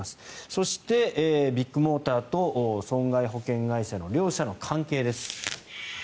そして、ビッグモーターと損害保険会社の両者の関係です。